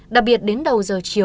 đặc biệt đến đầu giờ chiều